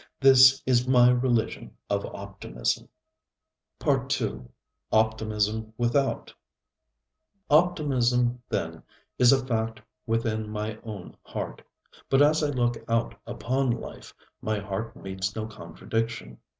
This is my religion of optimism. Part ii. Optimism Without Part ii Optimism Without Optimism, then, is a fact within my own heart. But as I look out upon life, my heart meets no contradiction.